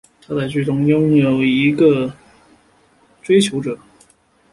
她在剧中拥有一个潜在追求者。